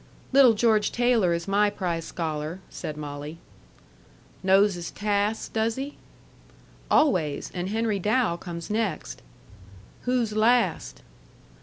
"Little George Taylor is my prize scholar," said Molly. "Knows his tasks, does he?" "Always. And Henry Dow comes next." "Who's last?"